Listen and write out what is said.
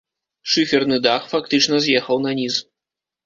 Шыферны дах фактычна з'ехаў наніз.